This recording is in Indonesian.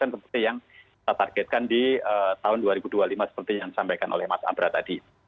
seperti yang kita targetkan di tahun dua ribu dua puluh lima seperti yang disampaikan oleh mas abra tadi